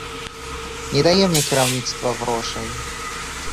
Не дае мне кіраўніцтва грошай.